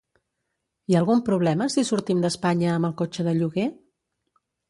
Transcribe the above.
Hi ha algun problema si sortim d'Espanya amb el cotxe de lloguer?